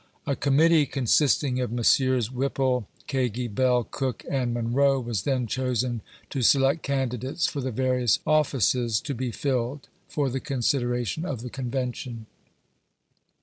. A Committee, consisting of Messrs. Whipple, Kagi, Bell, Cook and Mun roe, was then chosen to select candidates for the various offices to bo filled, for the consideration of the Convention.